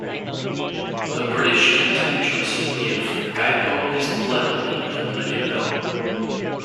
The British contemptuously give Gypo his blood money and let him go.